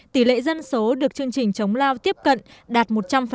tỷ lệ dân số được chương trình chống lao tiếp cận đạt một trăm linh